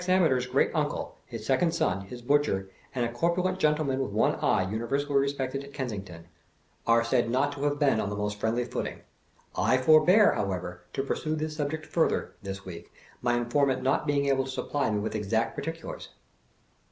Ameter' s great uncle, his second son, his butcher, and a corpulent gentleman with one eye universally respected at Kensington, are said not to have been on the most friendly footing; I forbear, how ever, to pursue the subject further, this week, my informant not being able to supply me with exact particulars."